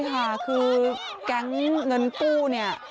ก็คือกรณ์เงินปลูเนี่ย